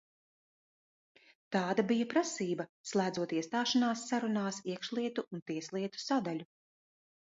Tāda bija prasība, slēdzot iestāšanās sarunās iekšlietu un tieslietu sadaļu.